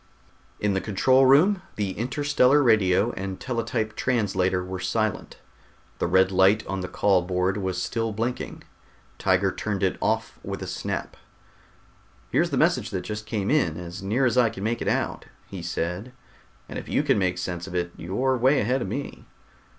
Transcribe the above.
In the control room the interstellar radio and teletype translator were silent. The red light on the call board was still blinking; Tiger turned it off with a snap. "Here's the message that just came in, as near as I can make out," he said, "and if you can make sense of it, you're way ahead of me."